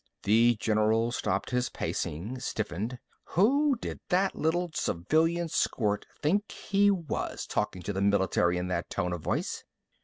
The general stopped his pacing, stiffened. Who did that little civilian squirt think he was, talking to the military in that tone of voice!